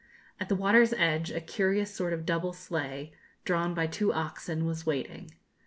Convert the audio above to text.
At the water's edge a curious sort of double sleigh, drawn by two oxen, was waiting.